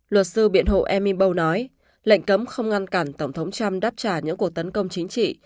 luật sư biện hộ ermimboul nói lệnh cấm không ngăn cản tổng thống trump đáp trả những cuộc tấn công chính trị